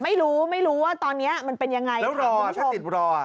ไม่รู้ไม่รู้ว่าตอนนี้มันเป็นยังไงรอติดรอ